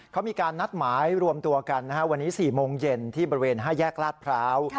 เขามีการนัดหมายรวมตัวกันวันนี้๔โมงเย็นที่บริเวณ๕แยกลาดพร้าว